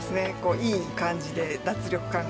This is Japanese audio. いい感じで脱力感が。